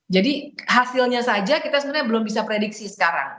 jadi hasilnya saja kita sebenarnya belum bisa prediksi sekarang